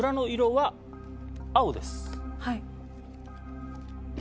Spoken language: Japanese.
はい。